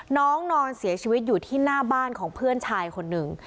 น้องนอนเสียชีวิตอยู่ที่หน้าบ้านของเพื่อนชายคนหนึ่ง